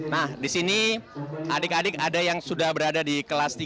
nah di sini adik adik ada yang sudah berada di kelas tiga